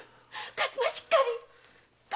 数馬しっかり！